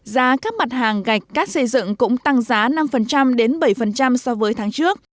giá các mặt hàng gạch cát xây dựng cũng tăng giá năm đến bảy so với tháng trước